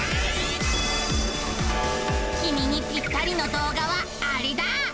きみにぴったりの動画はアレだ！